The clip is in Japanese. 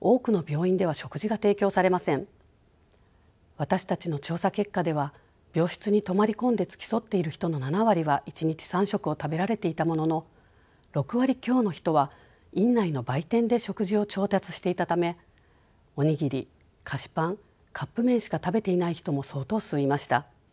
私たちの調査結果では病室に泊まり込んで付き添っている人の７割は１日３食を食べられていたものの６割強の人は院内の売店で食事を調達していたためお握り菓子パンカップ麺しか食べていない人も相当数いました。